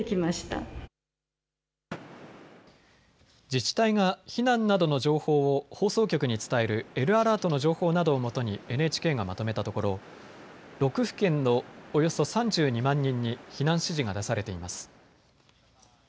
自治体が避難などの情報を放送局に伝えるＬアラートの情報などをもとにＮＨＫがまとめたところ６府県のおよそ３２万人に避難指示が出されています。